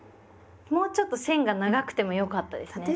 もうちょっと線が長くてもよかったですね。